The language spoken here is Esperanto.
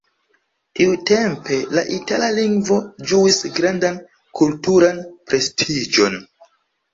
Tiutempe, la itala lingvo ĝuis grandan kulturan prestiĝon.